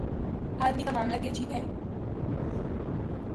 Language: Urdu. آدمی کا معاملہ بھی عجیب ہے۔